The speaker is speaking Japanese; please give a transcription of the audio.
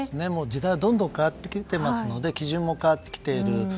時代はどんどん変わってきていますので基準も変わってきている。